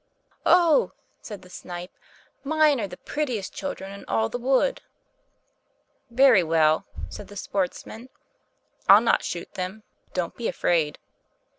"Oh!" said the Snipe, "mine are the prettiest children in all the wood." "Very well," said the Sportsman, "I'll not shoot them; don't be afraid."